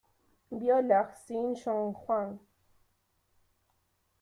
Viola: Hsin-Yun Huang.